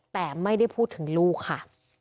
แต่ไม่ได้พูดถึงลูกค่ะ